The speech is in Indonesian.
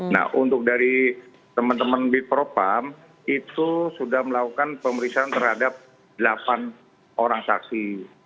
nah untuk dari teman teman di propam itu sudah melakukan pemeriksaan terhadap delapan orang saksi